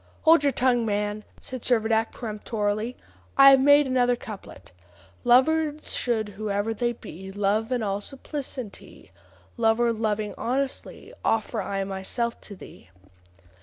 "Hold your tongue, man," said Servadac peremptorily; "I have made another couplet. 'Lovers should, whoe'er they be, Love in all simplicity; Lover, loving honestly, Offer I myself to thee.